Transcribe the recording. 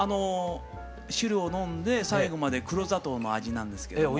汁を飲んで最後まで黒砂糖の味なんですけれども。